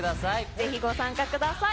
ぜひご参加ください。